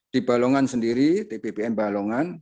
di balongan sendiri tbbm balongan